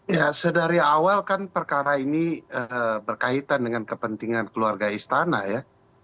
ya sedari awal kan perkara ini berkaitan dengan kepentingan keluarga istana ya